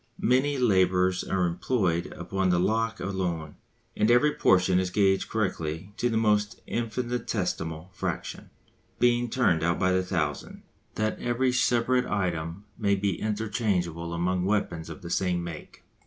Many labourers are employed upon the lock alone. And every portion is gauged correctly to the most infinitesimal fraction, being turned out by the thousand, that every separate item may be interchangeable among weapons of the same make.